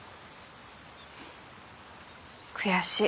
悔しい。